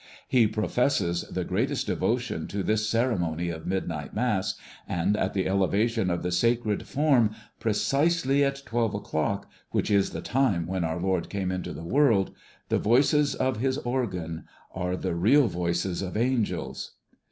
He professes the greatest devotion to this ceremony of midnight Mass, and at the elevation of the Sacred Form, precisely at twelve o'clock, which is the time when our Lord came into the world, the voices of his organ are the real voices of angels.